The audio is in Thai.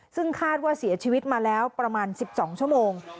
ซึ่งคาดว่าเสียชีวิตมาแล้วประมาณ๑๒ชั่วโมง